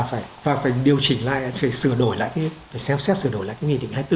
giờ hỏi chúng ta hiện nay là phải điều chỉnh lại phải sửa đổi lại phải xem xét sửa đổi lại cái nghị định hai mươi bốn